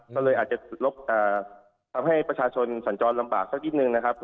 ก็เลยอาจจะลบทำให้ประชาชนสัญจรลำบากสักนิดนึงนะครับ